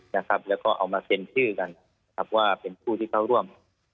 แล้วก็เอามาเซ็นชื่อกันครับว่าเป็นผู้ที่เข้าร่วม